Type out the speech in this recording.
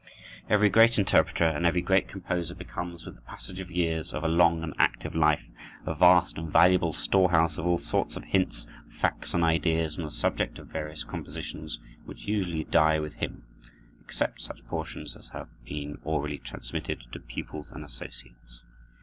Every great interpreter and every great composer becomes, with the passage of years of a long and active life, a vast and valuable storehouse of all sorts of hints, facts, and ideas on the subject of various compositions, which usually die with him, except such portions as have been orally transmitted to pupils and associates.